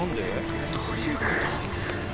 どういうこと？